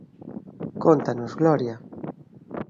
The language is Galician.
Cóntanos, Gloria.